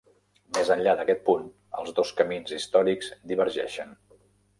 Més enllà d'aquest punt, els dos camins històrics divergeixen.